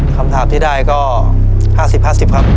คำถามที่ได้ก็ห้าสิบห้าสิบครับ